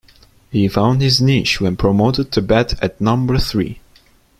He found his niche when promoted to bat at number three.